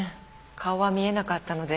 顔は見えなかったので。